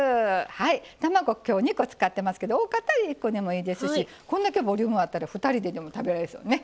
卵今日２個使ってますけど多かったら１個でもいいですしこんだけボリュームあったら２人ででも食べられそうね。